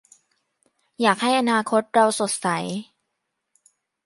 อยากให้อนาคตเราสดใส